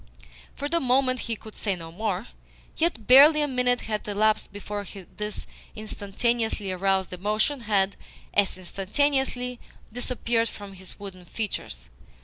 For the moment he could say no more. Yet barely a minute had elapsed before this instantaneously aroused emotion had, as instantaneously, disappeared from his wooden features.